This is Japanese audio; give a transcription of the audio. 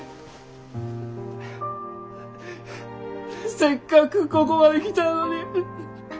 せっかくここまで来たのに。